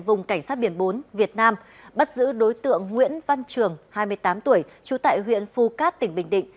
vùng cảnh sát biển bốn việt nam bắt giữ đối tượng nguyễn văn trường hai mươi tám tuổi trú tại huyện phu cát tỉnh bình định